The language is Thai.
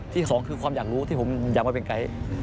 สองคือความอยากรู้ที่ผมอยากมาเป็นไกด์